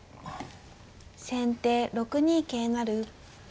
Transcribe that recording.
先手６二桂成。